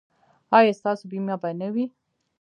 ایا ستاسو بیمه به نه وي؟